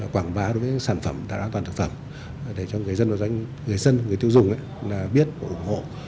quảng bá đối với sản phẩm đạo an toàn thực phẩm để cho người dân người tiêu dùng biết và ủng hộ